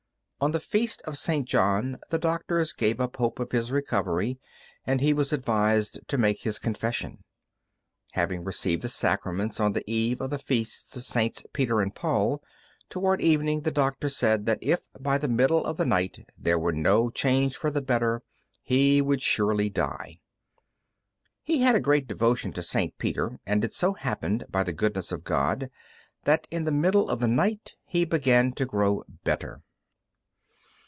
On the feast of St. John the doctors gave up hope of his recovery, and he was advised to make his confession. Having received the sacraments on the eve of the feasts of Sts. Peter and Paul, toward evening the doctors said that if by the middle of the night there were no change for the better, he would surely die. He had great devotion to St. Peter, and it so happened by the goodness of God that in the middle of the night he began to grow better.